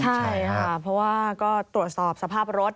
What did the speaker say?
ใช่ค่ะเพราะว่าก็ตรวจสอบสภาพรถ